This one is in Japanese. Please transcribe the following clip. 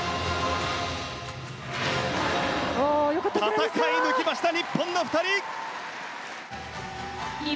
戦い抜きました、日本の２人！